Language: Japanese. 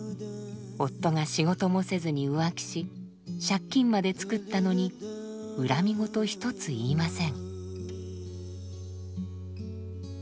夫が仕事もせずに浮気し借金まで作ったのに恨み言一つ言いません。